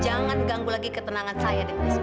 jangan ganggu lagi ketenangan saya deh